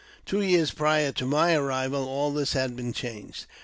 Two years prior to my arrival all this had been changed.